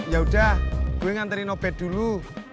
yaudah gue nganterin obet dulu